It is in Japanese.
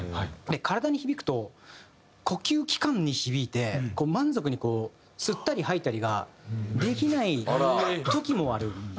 体に響くと呼吸器官に響いて満足に吸ったり吐いたりができない時もある。